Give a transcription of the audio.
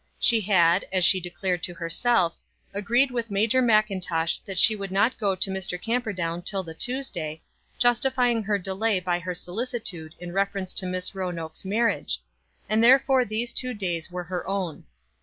She had, as she declared to herself, agreed with Major Mackintosh that she would not go to Mr. Camperdown till the Tuesday, justifying her delay by her solicitude in reference to Miss Roanoke's marriage; and therefore these two days were her own.